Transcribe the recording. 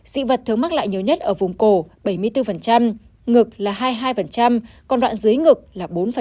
vì vậy dị vật thướng mắc lại nhiều nhất ở vùng cổ bảy mươi bốn ngực là hai mươi hai còn đoạn dưới ngực là bốn